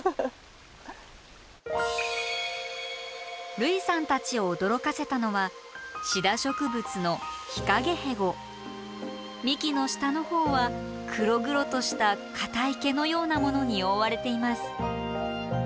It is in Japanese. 類さんたちを驚かせたのはシダ植物の幹の下のほうは黒々とした硬い毛のようなものに覆われています。